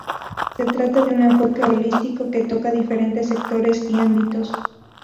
Se trata de un enfoque holístico que toca diferentes sectores y ámbitos.